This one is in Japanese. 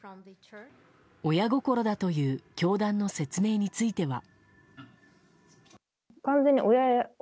親心だという教団の説明については。